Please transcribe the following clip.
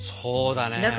そうだね。